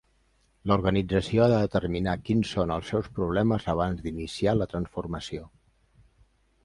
La organització ha de determinar quins són els seus problemes abans d'iniciar la transformació.